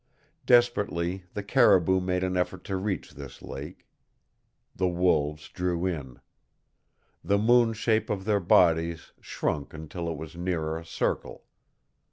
Desperately the caribou made an effort to reach this lake. The wolves drew in. The moon shape of their bodies shrunk until it was nearer a circle.